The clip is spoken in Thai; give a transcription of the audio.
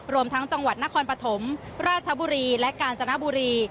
รวมทั้งจังหวัดนครปฐมราชบุรีและกาญจนบุรี